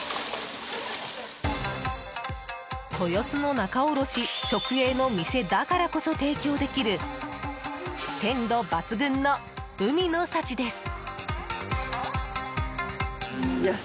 豊洲の仲卸直営の店だからこそ提供できる鮮度抜群の海の幸です。